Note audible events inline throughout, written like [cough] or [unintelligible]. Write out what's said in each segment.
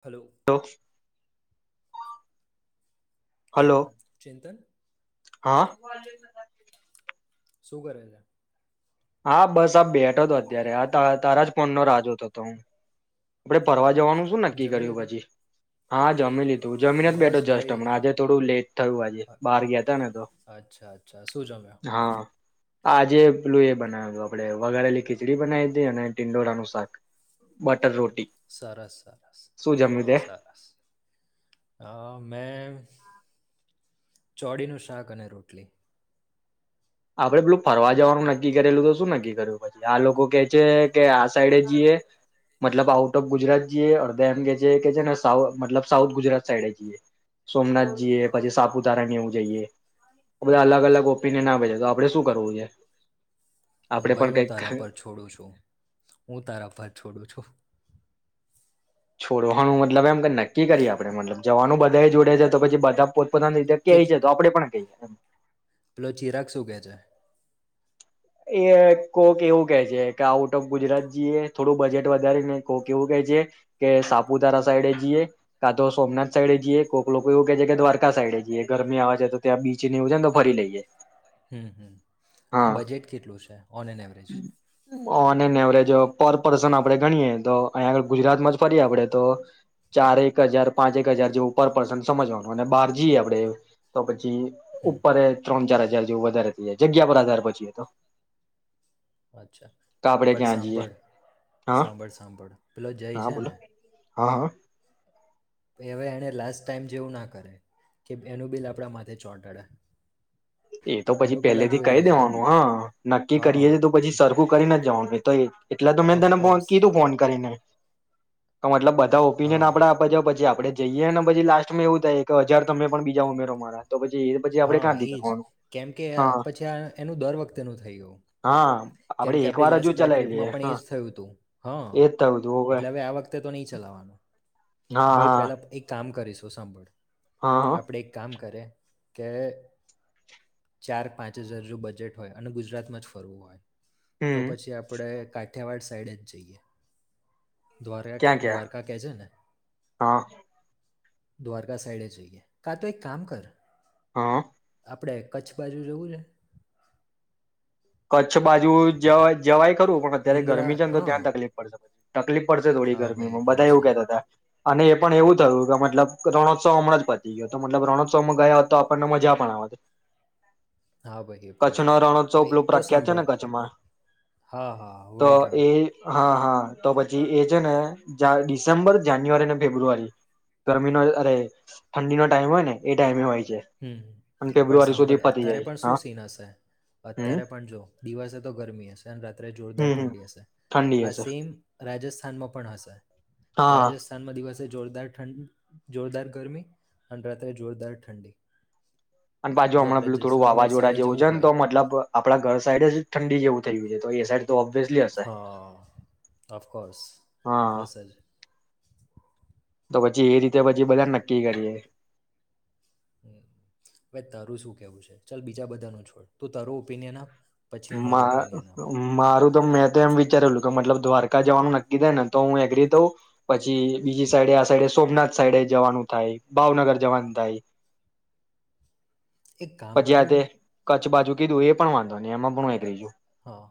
Hello. હ hello ચિંતન. [inaudible] હા. શું કરે છે. હા બસ આ બેઠો હતો અત્યારે આ તારા જ ફોનનો રાહ જોતો તો હું. આપડે ફરવા જવાનું અચ્છા શું નક્કી જમી કર્યું લીધું પછી. હા જોમી લીધ. [unintelligible] તું જમીને જ બસ બેઠો જસ્ટ ભાઈ હમણા આજે થોડું લેટ થયું આજે અ- બહાર ગયા ત ને તો અચ્છા અચ્છા શું જમ્યો હા. આજે પેલું એ બનાવું આપડે વગાડેલી ખીચડી બનાવી દી અને ટિંડોળનું શાક બ અજર. [unintelligible] સરસ સરસ સરસ હ મે. ચોડીનું શાક અને રોટલી. આપડે પેલું ફરવા જવાનું નક્કી કરેલું તો શું નક્કી કર્યું પછી આ લોકો કે છે કે આ સાઈડે જઈએ મતલબ આઉટ ઓફ ગુજરાત જઈએ અડધા એમ કે છે કે છે ને સા મતલબ સાઉથ ગુજરાત સાઈડે જઈએ સોમનાથ જઈએ પછી સાપુતારાની એવું જઈએ બધા અલગ અલગ ઓપિનિયન આવે છે. તો આપડે શું કરવું છે. આપડે ભાઈ પણ હું કઈક તારા પર છોડું છું હું તારા પર છોડું છું. છોડો હણું મતલબ એમ કે નક્કી કરીએ આપડે મતલબ જવાનું બધા જોડે છે તો પછી બધા. પોતપતાની કેટ કય છે તો આપડે પણ કહીએ એ. પેલો ચિરાગ શું કહે છે એ કોક એવું કેહે છે કે આઉટ ઓફ ગુજરાત જઈએ થોડું બજેટ વધારે ને કોઈક એવું કેહે છે કે સાપુતારા સાઈડે જઈએ કા તો સોમનાથ સાઈડે જઈએ કોક લોકો એવું કે છે કે દ્વારકા સાઈડે જઈએ ગરમી આવે છે તો ત્યાં બીચને એવું છે ને તો ફરી લઈએ. હમ હમ હા બજેટ. કેટલું છે on an average on an average પર. પર્સન આપણે ગણીએ તો અહીંયા આગ ગુજરાતમાં જ ફરીએ આપડે તો ચાર એક હજાર પાંચ એક હજાર જેવું પર પર્સન સમજવાનું અને બહાર જઈએ આપડે. હમ ઉપરે ત્રણ ચાર. હ જેવું વધારે થઈ જાય જગ્યા પર હાર પછી તો. અચ્છા આપડે પણ ક્યાં જઈએ સાંભળ હા સાંભળ સાંભળ પેલો જય હા છે બોલો ને. હા હા. હવે એને લાસ્ટ ટાઈમ જેવું ના કરે કે એનું બિલ આપણા માથે ચોંટાડે. એ તો પછી એનું પહેલે પહેલાં થી જોઈ કઈ લે છે દેવાનું હા નક્કી કરીએી હા તો પછી સરખું કરીને જ જવાનું. [unintelligible] એટલે તો મેં તને ઓફકોર્સ કીધું ફોન કરીને. તો મતલબ બધ તો હા ઓપિનિયન આપડ આપવા જાવ પછી આપડે જઈએને પછી લાસ્ટમાં એવું થાય કે હજાર તમે પણ બીજા ઉમેરો મારા તો ભજી ભજી આપણે કેમકે પછી આ એનું દર વખતે નું થયું હા આપડે કેમકે એક આપડી વાર હજુ લાસ્ટ બે ચલાવી લઈએ ટ્રીપમાં પણ હા એજ થયું હતું. એજ થયું તું હોવે એટલે હવે આ વખતે તો નહી ચલાવાનું હા ભાઈ હા પેલા એક કામ કરીશું. [inaudible] હા હા આપણેે એક કામ કરે કે ચાર પાંચ હજાર જો બજેટ હોય અને ગુજરાતમાં જ ફરવું હોય તો હમ પછી આપડે ક કઠિયાવાડ સાઈડજ જઈએ. [unintelligible] ક્યાં ક્યાં દ્વારકા કે છે ને. હા દ્વારકા સાઈડે જઈએ. કા તો એક કામ કર હા. આપણે કચ્છ બાજુ જવું છે? કચ્છ બાજુ જવા જવાય કરું પણ અત્યારે મુન્દ્રા ગરમી છે ને તો હા ત્યાં તકલીફ પડશે. તકલીફ પડશે થોડી હા ભાઈ એ ગરમીમાં પણ બધા એવું છે કેતા હતા. અને એ પણ એવું થયું કે મતલબ રણોત્સવ હમણાં જ પતી ગયો, તો મતલબ રણોત્સવમાં ગયા તો આપણને મજા પણ આવત. હા ભાઈ એ પણ છે [unintelligible] એ. પેલું તો પ્રખ્યાત છે ને સાંભળ કચ્છમાં હા હા તો વાઈટ રણ એ હ હા તો પછી એ છે ને જા ડિસેમ્બર, જાન્યુઆરી અને ફેબ્રુઆરી ગરમીનો અરે ઠંડીનો ટાઈમ હોય ને એ ટાઈમે હોય. છે હમ્મ અને પણ ફેબ્રુઆરી સુધી સાંભળ પતી અત્યારે જાય પણ હા શું સીન હશે હમ અત્યારે પણ દિવસે તો ગરમી હશે રાત્રે જોરદાર હમ હમ ઠંડી હશે ઠંડી આ હશે સેમ રાજસ્ થાન મ પણ હશે. હા રાજસ્થાનમાં દિવસ જોરદાર ઠં જોરદાર ગરમી અને રાત્રે જોરદાર ઠંડી. અને પાછુ જો હમણાં આપણે પેલું થોડું જેસલમેર વાવાઝોડા સાઈડે જેવું જવું છ ન હોય તો મતલબ આપડા ઘર સાઈડ જ ઠંડી જેવું થયું છે તો એ [unintelligible] હશે હા અફકોર્સ હા સર. તો પછી એ રીતે પછી બધા નક્કી કરીએ. ભાઈ તારું શું કેવું છે ચાલ બીજા બધા ને છોડ તુ તારું ઓપિનિયન આપ. પછી હું મારું માંર ઓપિનિયન તો આપું. મારું તો મેં તો એમ વિચારેલું કે મતલબ દ્વારકા જવાનું નક્કી થાય ને તો હું એગ્રી થઉ, પછી બીજી સાઈડે આ સાઈડે સોમનાથ સાઈડે જવાનું થાય ભાવનગર જવાનું થાય એક કામ પછી આ કરવું જે છે કરછ બાજુ કીધું એ પણ વાંધો ને એમાં પણ હું એગ્રી છું. હા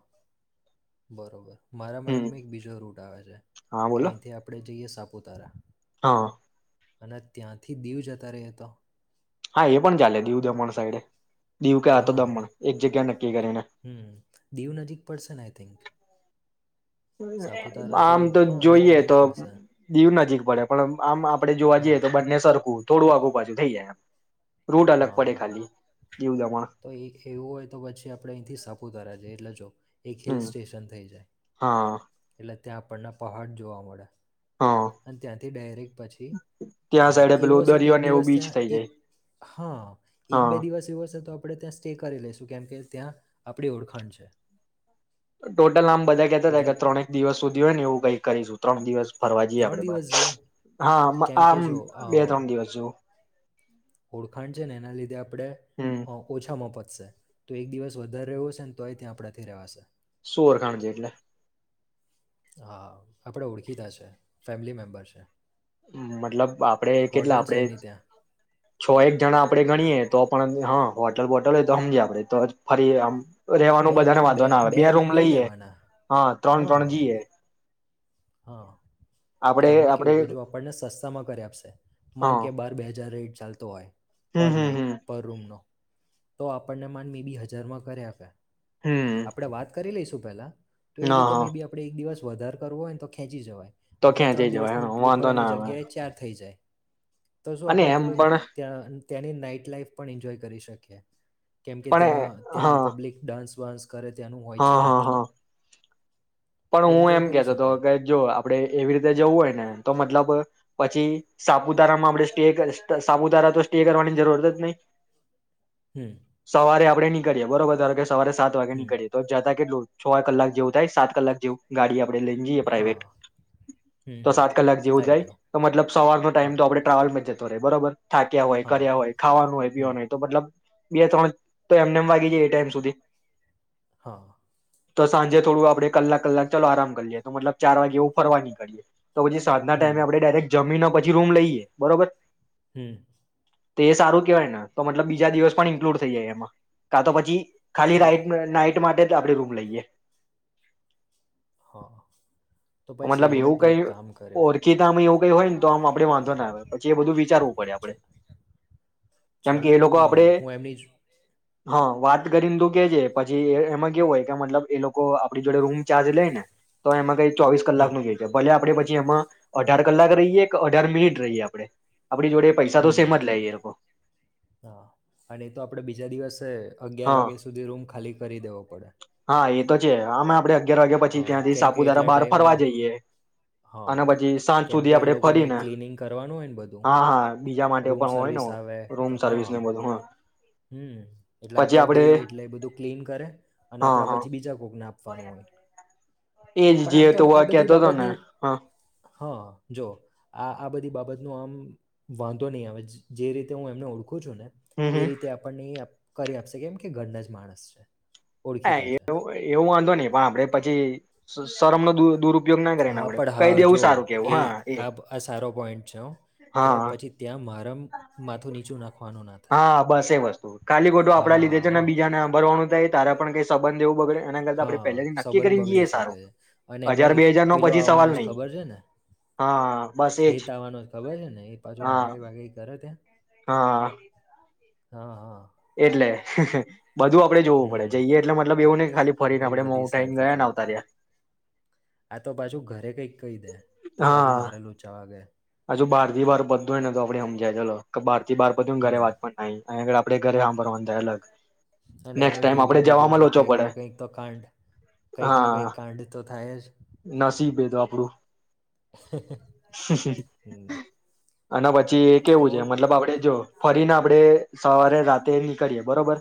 બરોબર મારા હમ માઈન્ડમાં એક બીજો રૂટ આવે છે કે અહીંથી આપણે જઈએ સાપ ઉતારા. હ અ. અને ત્યાંથી દીવ જતા રઈ તો. હા એ પણ ચાલે દીવું દમણ સાઈડે. દીવ કે આ તો હા દમણ એક જગ્યા નક્કી કરીને હમ્મ દીવ નજીક પડશે ને આઈ થિંક. આમ સાપુતારાથી તો હા દીવ જોઈએ નજીક તો પડશે. દીવ નજીક પડે પણ આમ આપડે જોવા હા, જઈએ તો બંને સરખું. થોડું આગું પાછુ થઈ જાય એમ. હ હ દમણ તો એક એવું હોય તો પછી આપડે અહીંથી સાપુતારા જઈએ એટલે જો એક હિલ સ્ટેશન થઈ જાય. હ. એટલે ત્યાં આપણને પહાડ જોવા મળે. હા અને ત્યાંથી ડાયરેક્ટ પછી ત્યાં સાઈડે એવું પેલું હશે તો દરિયો એક ને એવું દિવસ બીચ ત્યાં થઈ એક જાય હ એક બે હા દિવસ એવો હશે તો આપણે ત્યાં સ્ટે કરી લઈશું કેમ કે ત્યાં આપડી ઓળખાણ છે. અ ટોટ ામ બધા કેતા હતા એટલે કે ત્રક દિવસ સુધી હો ને એવું કંઈક કરીશું ત્રણ દિવસ ફરવા જઈએ આપડે ત્રણ બાર દિવસ જેવું હા કેમ કે આમ જો બે ત્રણ દિવસ જો ઓળખાડ છે ને એના લીધે આપણે હમ ઓછામાં પ તો એક દિવસ વધારે રહેવો હશે ને તોય ત્યાં આપડા થી રવાશે સોરખાણ જે એટલે હા આપડે ઓળખી તા છે ફેમિલી મેમ્બર છે મતલબ આપડે કેટલા હોટેલ છે આપડે એમની ત્યાં છ એક જણા આપડણે ગણીએે તો પણ હા વોટર બોટલ હોય તો સમજાય આપડે તો ફરી આમ રેવાનું બધાને વાંધો ના આવે બે રૂમ લઈએ હા ત્રણ ત્રણ જી હા હ હા એટલે આપડે આમાં આપડે કેવું કે જો આપણને સસ્તામાં કર આપશે માન હા કે બાર બે હજાર રેટ ચાલતો હોય હમ પર હમ નાઈટ હમ પર રૂમ નો તો આપણને માન મી બી હજારમાં કરે આપે. હમ આપડે વાત કરી લઈશું. પહેલા. તો એ હા રીતે મે હા બી આપડે એક દિવસ. વધાર કરવો હોય તો. ખેજી જવાય. તો આપડા ક્યાં જઈ ત્રણ જવાય દિવસની ટ્રીપ વાંધો હોય એની ના આવે જગ્યાએ ચાર થઈ જાય. તો શું અને આપડે એમ પેલું પણ ત્યાં. તેની નાઈટ લાાઈફ પણ એન્જોય કરી શકીએ. કેમ કે પણ ત્યાં ત્યાંની હા પબ્લિક ડાન્સ. સ. કરે તેનું હોય હા છે હા રાત્રે. હા તો પણ હું એન્જોય એમ કરી કેતો હતો શકાય. કે. જો આપડે એવી રીતે જવું હોય ને તો મતલબ પછી સાપુતારામાં આપણે સ્ટે સાપુતારા તો સ્ટે કરવાની જરૂરત જ નહી. હમ સવારે આપ. આપ ન કરીએ બરોબર ત. સવારે સાત વાગે હમ નીકળે તો જતા કે. [inaudible] કલાક જેવું થાય સાત કલાક. [unintelligible] ગાડી. આપ લઈને જઈએ પ્રાઈવેટ હા. હમ તો હમ. સાત કલાક જેવું થાય જાય એટલો તો મતલબ સવારનો ટાઈમ હા તો આપડણે ટ્રાવેલમાં જ. [unintelligible] બરોબર. થાક્યા હોય હા કર્યા હોય ખાવાનું હોય હમ પીવાનું હોય તો મતલબ. બે ત્રણ તો એમને એમ વાગી જાય એ ટાઈમ સુધી. હા. તો સાંજે થોડું આપડે કલાક. કલાક ચાલો આરામ કરી લએ તો મતલબ ચાર વાગે એવું ફરવા નીકળએ. તો પછી સાતના હમ ટાઈમે આપણે ડાયરેક્ટ જમી પછી રૂમ લઈએ બરોબર. હમ. તો એ સારું કેહેવાય ને તો મતલબ બીજા દિવસ પણ ઈન્કલુડ થઈ જાય એમાં કા તો પછી. ખાલી હા નાઈટ [unintelligible] નાઈટ માટે. આપડે રૂમ લઈએ. હા. તો પછી મતલબ હોય એવું ને તો એક કઈ કામ કરે ઓળખીતામે એવું. હોય ને તો આ આપ વાંધો ના આવે પછી એ બધું વિચારવું પડે આપડે કેમ ચાલ કે ને એ તો લોકો હું આપડે. હું એમની જ હા વાત કરીને તું કે છે પછી એમાં કેવું હોય કે મતલબ એ લોકો આપણી જોડે રૂમ ચાર્જ લે ને તો એમાં કઈ ચોવીસ હમ કલાકનુ [unintelligible] જેાય છે, ભલે આપડી એમાં અઢાર કલાક રહીએ કે અઢાર મિનિટ રહીએ આપણે [unintelligible] જોડે પૈસા તો હમ. સેમ જ લઈએે લોકો હા અને એ તો આપડે બીજા દિવસ અગિયાર હા વાગ્યા સુધી રૂમ ખાલી કરી દેવો. [unintelligible] હા એ તો છે, આમે આપડે અગિયાર વાગ્યા પછી હા ત્યાંથી કેમ કે સાપુતારા એટલા બહાર ફરવા ટાઈમમાં જઈએ. હા અને પછી સાંજ કેમ સુધી કે એ આપડે લોકોને એક ફરીને ક્લિનિંગ કરવાનું હોય ને બધું હા હા બીજા માટે રૂમ પણ હોય ને સર્વિસ આવે રૂમ સર્વિસ હા ને બધું હા હમ એટલે પછી આપણેે જ આપડે જઈએ એટલે બધું ક્લીન કરે. અને હા આપણા પછી બીજા કોકને આપવાનું હોય. એ જ પણ આમ જે તો આ બધી કેતો હતો ને બાબતની હા હા જો આ આ બધી બાબત નું આમ વાંધો નહીં આવે જે રીતે હું એમને ઓળ ને હમ હમ એ રીતે આપણ કરી આપશે કેમ કે ઘરના જ માણસ છે. હા ઓળખીતા છે એવું-એવું વાંધો નહી, પણ આપડે પછી સ સરમને દૂર-દૂરઉ હા પણ હા જો એ આ-આ સારો પોઈન્ટ છે હો, કે હા પછી ત્યાં મારમ માથું નીચું ના નાખવાનું થાય હા બસ એવ જ. ખાલી ખોટું છે ને આપડા લીધે છે હા બીજાને હાંભળવાનું થાય તારા પણ કઈ સંબંધ એવું બગડે એના કરતા આપડે હા પહેલેથી નક્કી સંબંધ કરીને બગડી જઈએ શકે સારું છે, અને હજાર એમાંય બે હજાર નો પીલો પછી આવવાનો સવાલ જ નહી ખબર છે ને, હા બસ એજ હિત આવવાનો જ ખબર છે ને? એ પાછો હા નાગાઈ વાગાઈ કરે તે હા હા, હા. એટલે બધું આપડે જોવું પડે જઈએ હમ એટલે મતલબ એવું નહી કે ખાલી ફરીને ભાઈ આપડે મો બધી ઉઠાઈને સાઈડથી [unintelligible] જોવું આવતા પડે રહ્યા. આ તો પાછું ઘરે કંઈક કહી દે તો પાછું હા મારે લોચા [inaudible] હજુ બાર થી બાર બધું એ ને તો આપડે હમજાય ચલો કે બાર થી બાર બધું ને ઘરે વાત હમ પણ નહિં. અને [unintelligible] આપડે ઘરે હાંભરવાનું થાય એ અલગ. અને એમાં નેક્સ્ટ એય ટાઈમ આપડે ભાઈબંધો છે જવામાં એટલે લોચો કંઈક પડે ના કંઈક તો કાંડ કંઈક ના કંઈક હા કાંડ તો થાય જ. નસીબ એ તો આપડું હમ્મ. આના પછ છી એ કેવું છે મતલબ આપડે જો ફરીને આપડે સવારે રાતે નીકળીએ બરોબર?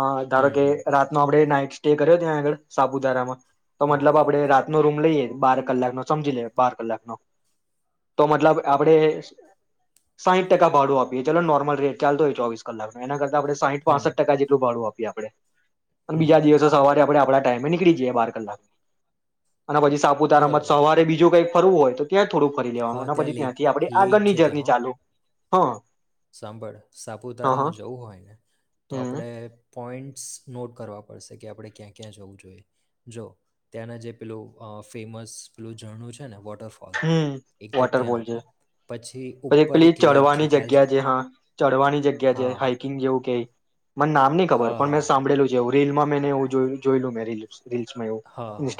અ ધારો હમ કે હમ રાત નુ આપડ નાઈટ સ્ટે કર્યો ત્યાં આગળ સાપુતારામાં? તો હમ મતલબ આપડે રા નો રૂમ લઈએ બાર કલાક નો સમજી લે બાર કલાક નો તો મતલબ આપડે સાહીઠ ટકા ભાડું આપીએ ચલોન નોર્મલ રેટ ચાલતો હોય ચોવીસ કલાક નો એના કરતા તા આપણે સાહીઠ હમ પાસઠ ટકા જેટલું ભડું આ પી આપડે. અને હમ બીજા દિવસે સવારે આપડ થોડા ટાઈમે નીકળી જઈએ બાર કલાકમાં. અને પછી સાપુતારામાં બરોબર સવારે બીજું કઈક ફરવું હોય તો ત્યાં થોડું કરી લેવાનું હા ત્યાં ને પછી લેક ત્યાંથી આપડે લેક આગળની છે ત્યાં જર્ની હો ચાલુ. હા. સાંભળ સાપુતારામાં જવું હોય, તો હમ આપડે પોઈન્ટ્સ નોટ કરવા પડશે કે આપણે ક્યાં-ક્યાં જવું જોઈએ, જો ત્યાંના જે પેલું અહ ફેમસ પેલું ઝરણું છે ને વોટ ર ફોલ, હમ એક તો વોટરફોલ ત્યાં, છે પછી ઉપર પેલી એક લેક છે ચઢવાની ખ્યાલ છે? જગ્યા હા ચડવાની જગ્યા છે, હા હા હાઈકિંગ જેવું કેય મન નામ ની ખબર પણ હા મેં હા સાંભળેલું છે એવું રીલમાં મે એને એવું જોયેલું, જોયેલું મેં રિલ્સ. હા, હા.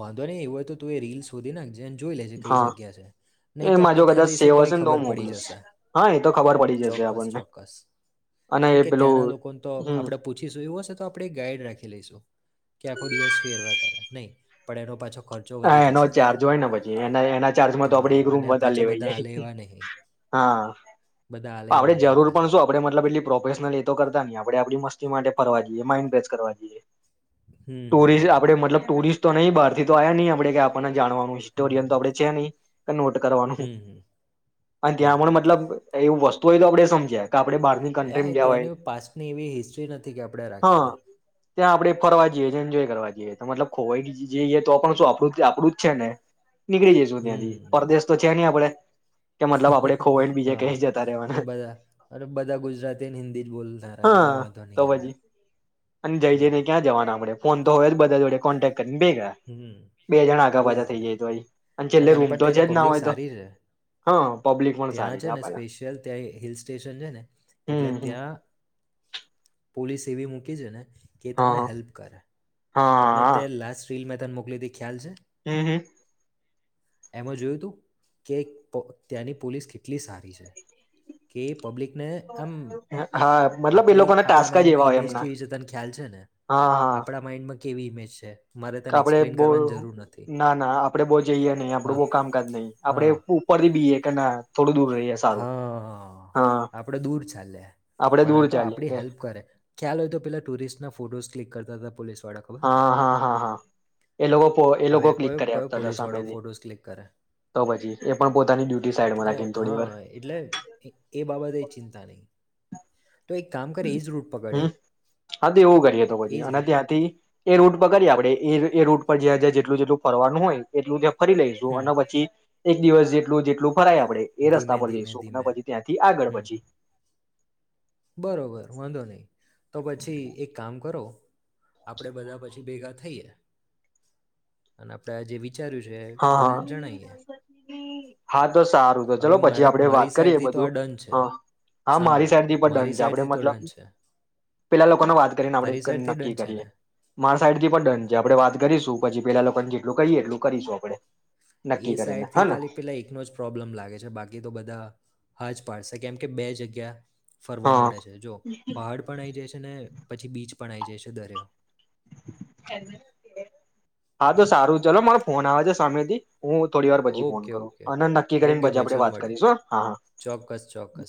વાંધો નહી એવું હોય તો તું એ રીલ શોધી નાખજેન જોઈ લેજે કઈ હા જગ્યા છે, નહી તો એમાં આપડે જો ત્યાં કદાચ જઈશું સેવ તો હશે ને ખબર હું પડી મોકલીશ જશે. હા એ તો ખબર પડી જશે આપણને ચોક્કસ-ચોક્કસ, અને કેમ એ કે પેલું ત્યાંના લોકોન તો હમ આપણેે પૂછીશું એવું હશે તો આપણે એક ગાઈડ રાખી લઈશું કે આખો દિવસ ફેરવા કરે, નહીં પણ એનો પાછો ખર્ચો હા વધી એનો જશે ચાર્જ હોય ને પછી, એના-એના ચાર્જમાં તો આપડે હા એક રૂમ અને વધાર પાછા લેવાય બધા હાલે જાય. એવા નહીં હા, બધા હાલે આપણેે એવા નહીં જરૂર પણ પાછા શું આપડે મતલબ એટલી પ્રોફેશનલ એતો કરતા નહીં. આપડે આપણી મસ તી માટે ફરવા જઈએ, માઇન્ડ ફ્રેશ કરવા જઈએ. હમ ટુરિસ્ટ હમ આપડે મતલબ ટુરિસ્ટ તો નહી બહારથી તો આયા નહી આપણે કે આપણને જાણવાનું હિસ્ટોરિયન તો હમ આપડે છે નહીં. તો નોટ કરવાનું હમ હમ અને હમ ત્યાં પણ મતલબ એવું વસ્ તોય તો આપડે સમજે એ ત્યાંની પાસ્ટની એવી હિસ્ટ્રી નથી કે આપડે હા રાખીએ. ત્યાં આપડે ફરવા જઈ છીએ એન્જોય કરવા જઈએ તો મતલ ખોવા જઈએ એ તો પણ તો આપડું તે આપડું જ છે ને. નીકળી જઈશું ત્યાંથી હમ પરદેશ તો છે નહી આપડે. કે મતલબ આપડે ખોવાઈને બીજે હા ક્યાંય જતા રહેવાના અને બધા અરે બધા ગુજરાતીને હિન્દી જ બોલતા રહે છે એટલે હા વાંધો તો નહી આવે પછી અને જઈ હમ્મ. જઈને ક્યાં જવાના આપડે ફોન તો હોયજ બધા જોડે કોન્ટે કનડે ગા એજ ને છેલ્લે અને એમ રૂમ પણ તો છે તેની જ ના પબ્લિક હોય તો સારી છે. હા પબ્લિક પણ ત્યાં સારી છે ને આપડે સ્પેશિયલ ત્યાં હિલ સ્ટેશન છે ને એટલે હમ હમ ત્યાં પોલીસ એવી મૂકી છે ને કે તમને હા હેલ્પ કરે અને હા તે લેશ બિ મે તન મોકલીથી ખ્યાલ છે? હમ્મ, હમ્મ. એમાં જોયું તું કે પ ત્યાંની પોલીસ કેટલી સારી છે. કે પબ્લિક ને આમ હા મતલબ એ આપડે લોકોના આપડા ટાસ્ક જ માઈન્ડ માં એવા હોય ઈમેજ એમના કેવી તન ખ્યાલ છે ને. આપડા માઈન્ડ માં કેવી ઇમેજ છે? મારે તને આપણેે એક્સપ્લેન બવ કરવાની જરૂર નથી ના ના આપડે બહુ જઈએ નહી આપડું બવ હા કામકાજ નહી આપડે હા ઉપરથી બીયએ કે ના થોડું દૂર રહીએ સારું હા હા આપડે દૂર ચાલે. આપડે પણ દૂર આ તો ચાલીએ આપડી કે હેલ્પ કરે ખ્યાલ હોય તો પેલા ટુરિસ્ટના ફોટોઝ ક્લિક કર દાદ પોલીસ હા હા હા હા, એ લોકો એ હવે લોકો ક્લિક કયો કરી કયો આપતા પોલીસવાળો સામેથી. ફોટોઝ ક્લિક કરે તો પછી એ પણ પોતાની ડ્યુટી સાઈડમાં એટલે રાખીને થોડી વાર હા એટલે એ બાબતે ચિં તાલી. હમ્મ હા તો એવું કરીએ તો પછી એ જ અને રૂટ ત્યાંથી એ રૂટ પર કરીએ આપડે એ એ રૂટ પર જ્યાં જ્યાં જેટલું જેટલુ ફવાનું હોય એટલું ત્યાં ફરી લઈશુ હમ અને પછી એક દિવસ જેટલું જેટલું ફરાય આપડે એ ધીમે રસ્તા પર ધીમે જઈસુ. ધીમે પછી ત્યાંથી આગળ હમ પછી. બરોબર વાંધો નઈ. તો પછી એક કામ કરો આપડે બધા પછી ભેગા થઈએ અને આપડે આ જેવી વિચાર્યું છે હા હા બધાને જણાયએ. [unintelligible] તો સારું. તો ચલો પછી આપડે મારી વાત કરીએ સાઈડથી તો આ બધું. ડન છે હા, હા મારી સાંભળ સાઈડ થી પણ ડન મારી છે આપડે સાઈડથી તો મતલબ ડન છે પેલા લોકોને વાત કરીને આપણે તારી ક સાઈડથી નક્કી ડન છે કરીએ. ને મા સાઈડ થી પણ ડન છે, આપડે વાત કરીશું પછી પેલા લોકોને જેટલું કહીએ એટલું કરીશું. પડે એ સાઈડથી ખાલી પેલા એકનો જ પ્રોબ્લેમ લાગે છે, બાકી તો બધા હા જ પાડશ કેમ કે બે જગ્યા ફરવા હા મળે છે. જો પહાડ પણ આઈ જશે ને, પછી બીચ પણ આઈ જાય છે દરિયો. હા તો સારું. ચલો મારો ફોન આવે છે સામે થી હું થોડી વાર પછી ફોન ઓકે કરું, ઓકે અને નક્કી કરીને ઓકે પછી ભાઈ આપડે ચાલ વાત મળે કરીશું હ. હા, હા. ચોક્કસ ચોક્કસ